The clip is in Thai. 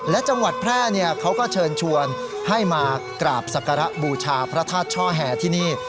และจังหวัดแพร่เขาก็เชิญชวนให้มากราบศักระบูชาพระธาตุช่อแห่ที่นี่